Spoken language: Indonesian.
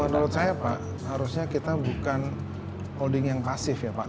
menurut saya pak harusnya kita bukan holding yang pasif ya pak